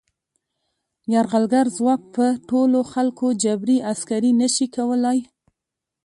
یرغلګر ځواک په ټولو خلکو جبري عسکري نه شي کولای.